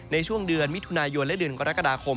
ในช่วงเดือนมิถุนายนและเดือนกรกฎาคม